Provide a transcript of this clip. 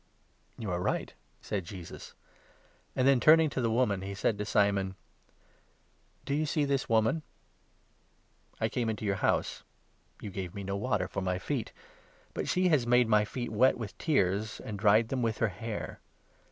" "You are right, "said Jesus, and then, turning to the woman, 44 he said to Simon : "Do you see this woman ? I came into your house — you gave me no water for my feet, but she has made my feet wet with tears and dried them with her hair.